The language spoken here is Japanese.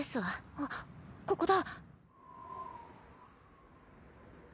あっここだ。